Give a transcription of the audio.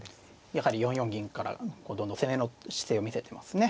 やはり４四銀からこうどんどん攻めの姿勢を見せてますね。